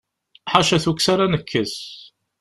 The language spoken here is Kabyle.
Ḥaca tukksa ara nekkes.